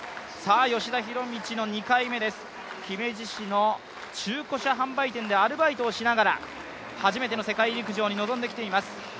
吉田弘道の２回目です、姫路市の中古車販売店でアルバイトをしながら、初めての世界陸上に臨んできています。